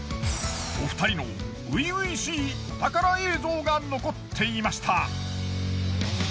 お二人の初々しいお宝映像が残っていました。